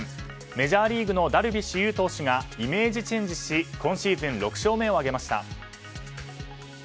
メジャーリーグのダルビッシュ有投手がイメージチェンジし今シーズン６勝目を挙げました。